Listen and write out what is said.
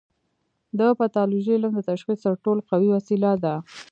د پیتالوژي علم د تشخیص تر ټولو قوي وسیله ده.